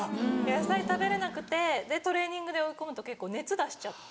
野菜食べれなくてでトレーニングで追い込むと熱出しちゃって。